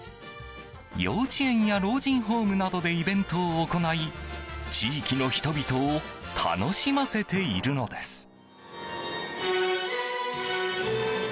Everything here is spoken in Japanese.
幼稚園や老人ホームなどでイベントを行い地域の人々を楽しませているのです。